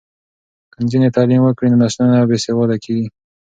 که نجونې تعلیم وکړي نو نسلونه نه بې سواده کیږي.